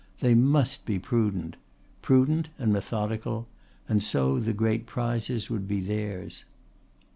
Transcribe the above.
They must be prudent prudent and methodical, and so the great prizes would be theirs.